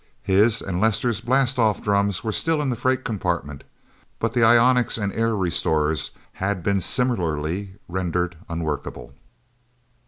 His and Lester's blastoff drums were still in the freight compartment, but the ionics and air restorers had been similarly rendered unworkable.